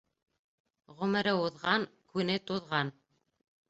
Ғүмере уҙған, күне туҙған.